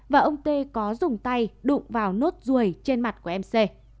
và ông tê có dùng tay đụng vào nốt ruồi trên mặt của mc